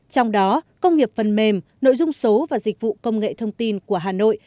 trong đó công nghiệp phần mềm nội dung số và dịch vụ công nghệ thông tin của hà nội